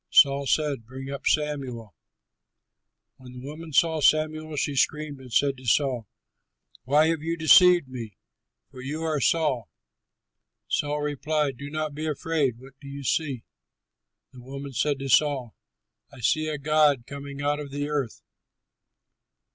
Saul said, "Bring up Samuel." When the woman saw Samuel, she screamed and said to Saul, "Why have you deceived me, for you are Saul?" Saul replied, "Do not be afraid! What do you see?" The woman said to Saul, "I see a god coming out of the earth."